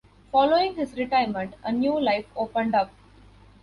Following his retirement, a new life opened up.